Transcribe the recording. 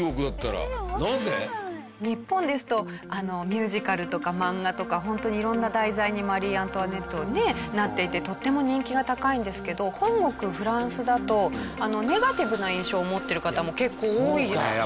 日本ですとミュージカルとかマンガとかホントに色んな題材にマリー・アントワネットはねなっていてとても人気が高いんですけど本国フランスだとネガティブな印象を持っている方も結構多いです。